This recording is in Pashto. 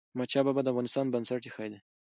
احمد شاه بابا د افغانستان بنسټ ايښی دی.